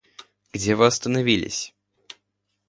Где вы остановились?